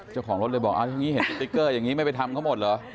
เจ้าของรถเลยบอกอย่างนี้เห็นสติ๊กเกอร์อย่างนี้ไม่ไปทำเขาหมดเหรอ